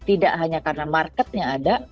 tidak hanya karena marketnya ada